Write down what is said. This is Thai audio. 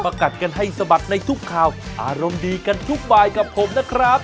กัดกันให้สะบัดในทุกข่าวอารมณ์ดีกันทุกบายกับผมนะครับ